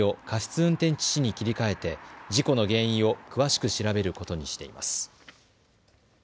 運転致死に切り替えて、事故の原因を詳しく調べることにしています。